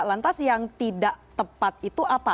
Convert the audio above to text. lantas yang tidak tepat itu apa